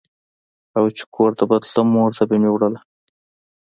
او چې کور ته به تلم مور ته به مې وړله.